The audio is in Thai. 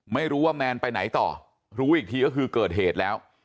ไม่รู้ว่าแมนไปไหนต่อรู้อีกทีก็คือเกิดเหตุแล้ว